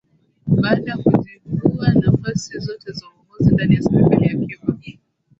Baada ya kujivua nafasi zote za uongozi ndani ya serikali ya Cuba